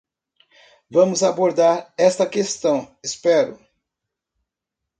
Vamos abordar esta questão?, espero.